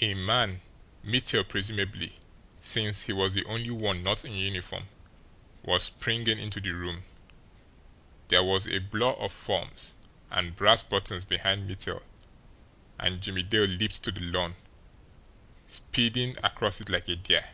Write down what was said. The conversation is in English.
A man, Mittel presumably, since he was the only one not in uniform, was springing into the room. There was a blur of forms and brass buttons behind Mittel and Jimmie Dale leaped to the lawn, speeding across it like a deer.